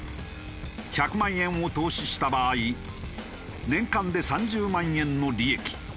１００万円を投資した場合年間で３０万円の利益。